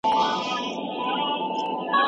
نو عشق به نه و.